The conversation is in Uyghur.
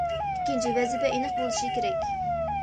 ئىككىنچى، ۋەزىپە ئېنىق بولۇشى كېرەك.